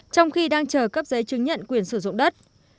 trong khi đang chờ cấp giấy chứng nhận quyền sử dụng đất